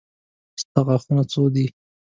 ستا غاښونه څو دي.